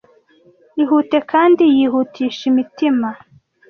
ihute kandi yihutisha imitima